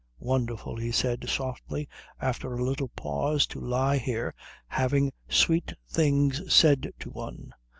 "Wonderful," he said softly, after a little pause, "to lie here having sweet things said to one.